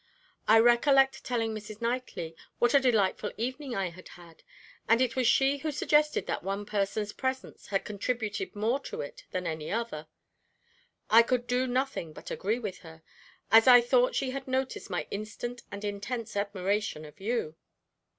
I recollect telling Mrs. Knightley what a delightful evening I had had, and it was she who suggested that one person's presence had contributed more to it than any other. I could do nothing but agree with her, as I thought she had noticed my instant and intense admiration of you.